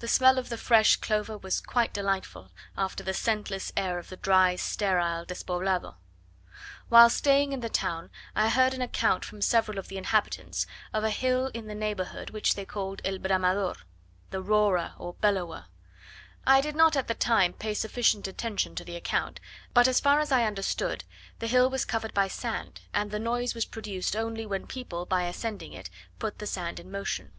The smell of the fresh clover was quite delightful, after the scentless air of the dry, sterile Despoblado. Whilst staying in the town I heard an account from several of the inhabitants, of a hill in the neighbourhood which they called "El Bramador," the roarer or bellower. I did not at the time pay sufficient attention to the account; but, as far as I understood, the hill was covered by sand, and the noise was produced only when people, by ascending it, put the sand in motion.